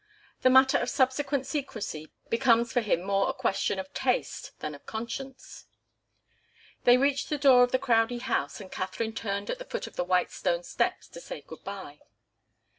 The matter of subsequent secrecy becomes for him more a question of taste than of conscience. They reached the door of the Crowdie house, and Katharine turned at the foot of the white stone steps to say good bye.